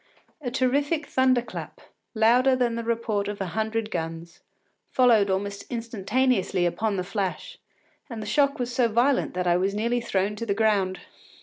A terrific thunder clap, louder than the report of a hundred guns, followed almost instantaneously upon the flash, and the shock was so violent that I was nearly thrown to the ground.